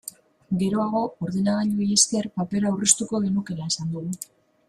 Geroago, ordenagailuei esker, papera aurreztuko genukeela esan dugu.